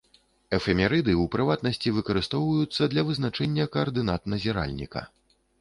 Эфемерыды, у прыватнасці, выкарыстоўваюцца для вызначэння каардынат назіральніка.